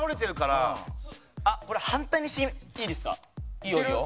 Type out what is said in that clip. いいよいいよ。